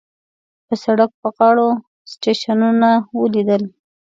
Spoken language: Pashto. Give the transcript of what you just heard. په سړک په غاړو سټیشنونه وليدل.